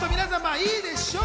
いいでしょう。